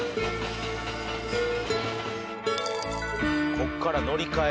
ここから乗り換え。